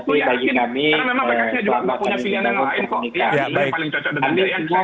terima kasih bang kudari